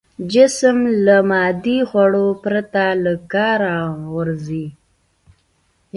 جسم له مادي خوړو پرته له کاره غورځي.